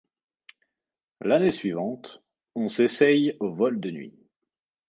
L'année suivante, on s'essaye aux vols de nuit.